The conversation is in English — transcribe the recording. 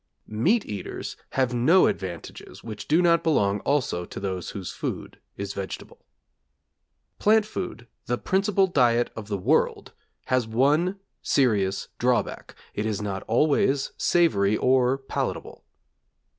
Meat eaters have no advantages which do not belong also to those whose food is vegetable. Plant food, the principal diet of the world, has one serious drawback; it is not always savory, or palatable.